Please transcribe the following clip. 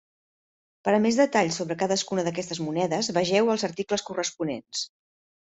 Per a més detall sobre cadascuna d'aquestes monedes, vegeu els articles corresponents.